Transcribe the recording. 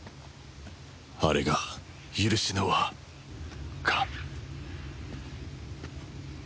あれが許しの輪か